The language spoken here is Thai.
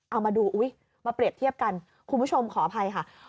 เอามาดูอุ๊ยมาเปรียบเทียบกันคุณผู้ชมขออภัยค่ะ